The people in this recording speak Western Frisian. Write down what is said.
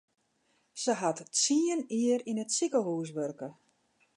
Se hat tsien jier yn it sikehús wurke.